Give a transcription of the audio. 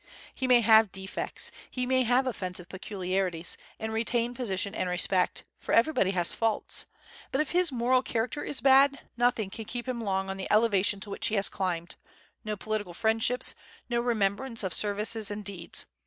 He may have defects, he may have offensive peculiarities, and retain position and respect, for everybody has faults; but if his moral character is bad, nothing can keep him long on the elevation to which he has climbed, no political friendships, no remembrance of services and deeds.